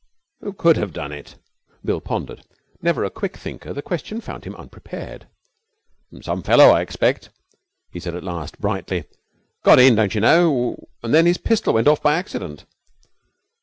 'Who could have done it?' Bill pondered. Never a quick thinker, the question found him unprepared. 'Some fellow, I expect,' he said at last brightly. 'Got in, don't you know, and then his pistol went off by accident.'